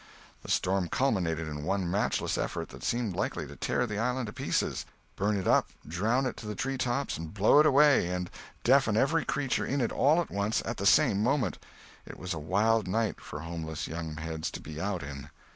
The storm culminated in one matchless effort that seemed likely to tear the island to pieces, burn it up, drown it to the treetops, blow it away, and deafen every creature in it, all at one and the same moment. It was a wild night for homeless young heads to be out in.